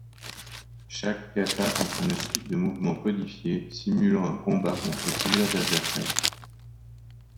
Chaque kata est une suite de mouvements codifiés simulant un combat contre plusieurs adversaires.